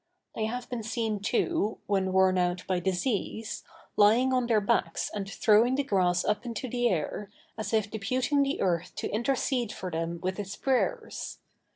They have been seen, too, when worn out by disease, lying on their backs and throwing the grass up into the air, as if deputing the earth to intercede for them with its prayers.